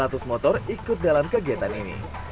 dan seratus motor ikut dalam kegiatan ini